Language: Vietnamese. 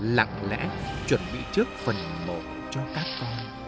lặng lẽ chuẩn bị trước phần một cho các con